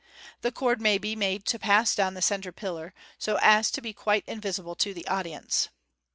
The cord may be made to pass down the centre pillar, so as to be quite invisible to the audience.